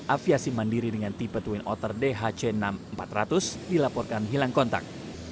aviasi mandiri dengan tipe twin otter dhc enam ribu empat ratus dilaporkan hilang kontak